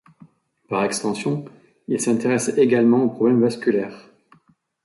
Par extension, il s'intéresse également aux problèmes vasculaires.